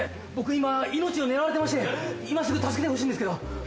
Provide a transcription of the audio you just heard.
今命を狙われてまして今すぐ助けてほしいんですけど。